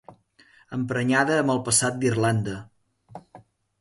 Emprenyada amb el passat d'Irlanda.